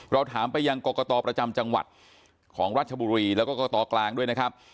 เราถามไปยังกรกตประจำจังหวัดของราชบุรีแล้วก็กตกลางด้วยนะครับ